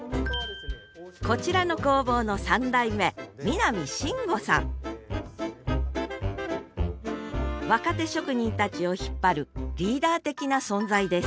こちらの工房の３代目若手職人たちを引っ張るリーダー的な存在です